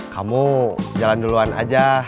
kamu jalan duluan aja